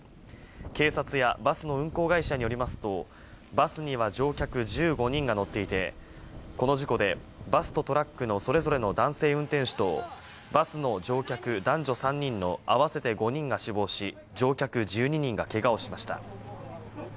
警察やバスの運行会社によりますと、バスには乗客１５人が乗っていて、この事故でバスとトラックのそれぞれの男性運転手と、バスの乗客、男女３人の合わせて５人が死亡し、乗客１２人がけがをしました。